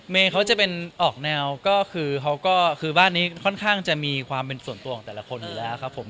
เขาจะเป็นออกแนวก็คือเขาก็คือบ้านนี้ค่อนข้างจะมีความเป็นส่วนตัวของแต่ละคนอยู่แล้วครับผม